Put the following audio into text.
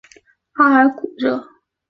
阿尔古热。